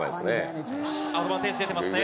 アドバンテージ、出てますね。